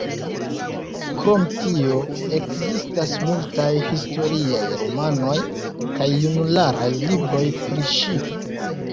Krom tio ekzistas multaj historiaj romanoj kaj junularaj libroj pri ŝi.